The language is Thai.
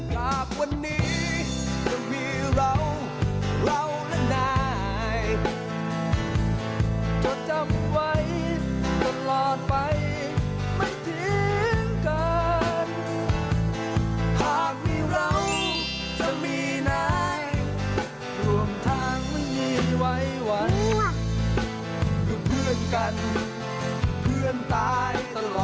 ห้ามีเราจะมีนาย